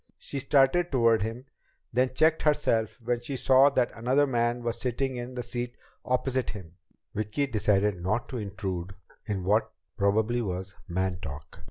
She started toward him, then checked herself when she saw that another man was sitting in the seat opposite him. Vicki decided not to intrude in what probably was "man talk."